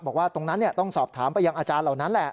บอกว่าตรงนั้นต้องสอบถามไปยังอาจารย์เหล่านั้นแหละ